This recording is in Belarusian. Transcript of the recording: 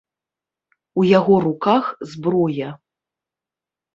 У яго руках зброя.